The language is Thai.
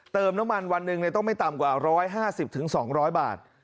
เติมน้ำมันวันหนึ่งต้องไม่ต่ำกว่า๑๕๐๒๐๐บาท